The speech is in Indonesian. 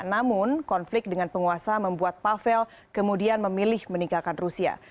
namun konflik dengan penguasa membuat pavel kemudian memilih meninggalkan rusia